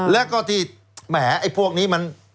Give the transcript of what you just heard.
แล้วก็ที่แหมไอ้พวกนี้มัน